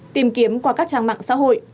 tìm kiếm qua các trang mạng xã hội